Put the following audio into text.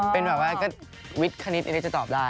เป็นแบบว่าวิทย์คณิตจะตอบได้